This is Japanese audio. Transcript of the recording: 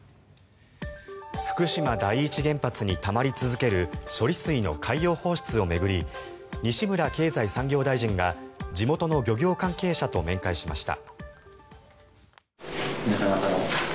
福島第一原発にたまり続ける処理水の海洋放出を巡り西村経済産業大臣が地元の漁業関係者と面会しました。